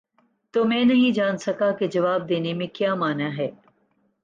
تو میں نہیں جان سکا کہ جواب دینے میں کیا مانع ہے؟